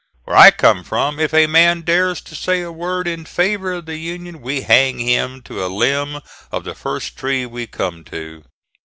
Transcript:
Where I came from if a man dares to say a word in favor of the Union we hang him to a limb of the first tree we come to."